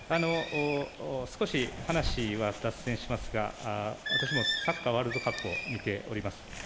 少し話は脱線しますが、私もサッカーワールドカップを見ております。